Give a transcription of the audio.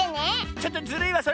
ちょっとずるいわそれ